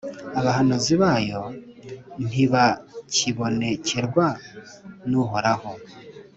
abahanuzi bayo ntibakibonekerwa n’Uhoraho!